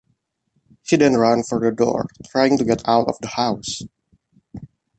She then ran for the door, trying to get out of the house.